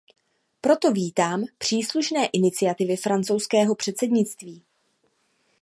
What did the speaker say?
Proto vítám příslušné iniciativy francouzského předsednictví.